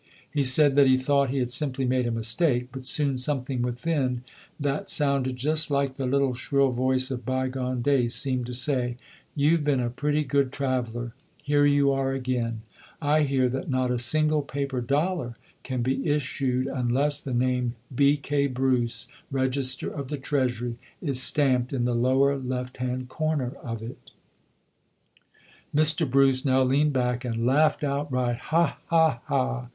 He said that he thought he had simply made a mistake, but soon something within that sounded just like the little shrill voice of bygone days seemed to say, "You've been a pretty good traveler. Here you are again. I hear that not a single paper dollar can be issued unless the name *B. K. Bruce, Register of the Treasury', is stamped in the lower left hand corner of it". Mr. Bruce now leaned back and laughed out right, "Ha! ha! ha!"